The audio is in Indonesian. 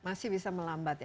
masih bisa melambat ya